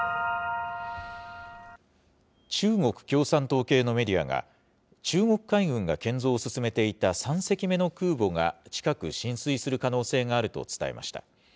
中国共産党系のメディアが、中国海軍が建造を進めていた３隻目の空母が近く進水する可能性があると伝えました。